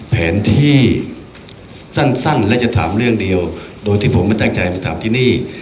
แผนที่สั้นและจะถามเรื่องเดียวโดยที่ผมไม่ตั้งใจมาถามที่นี่